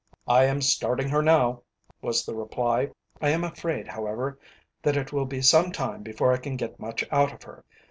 "I am starting her now," was the reply. "I am afraid, however, that it will be some time before I can get much out of her."